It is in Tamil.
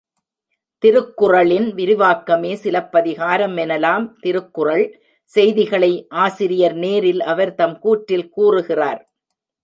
திருக்குறளின் விரிவாக்கமே சிலப்பதிகாரம் எனலாம். திருக்குறள் செய்திகளை ஆசிரியர் நேரில் அவர் தம் கூற்றில் கூறுகிறார்.